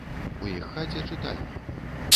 У іх хаце чытальня.